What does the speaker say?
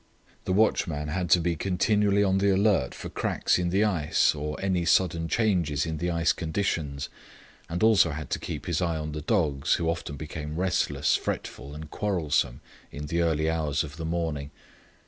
The watchman had to be continually on the alert for cracks in the ice, or any sudden changes in the ice conditions, and also had to keep his eye on the dogs, who often became restless, fretful, and quarrelsome in the early hours of the morning.